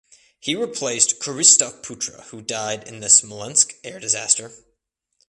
He replaced Krzysztof Putra who died in the Smolensk air disaster.